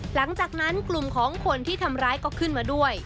หลังจากนั้นกลุ่มของคนที่ทำร้ายก็ขึ้นมาด้วย